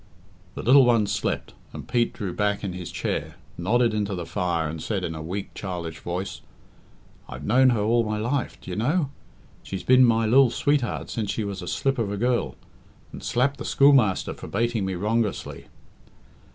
The little one slept, and Pete drew back in his chair, nodded into the fire, and said in a weak, childish voice, "I've known her all my life, d'ye know? She's been my lil sweetheart since she was a slip of a girl, and slapped the schoolmaster for bating me wrongously.